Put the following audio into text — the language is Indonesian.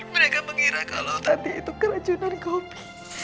mereka mengira kalau tadi itu keracunan kopi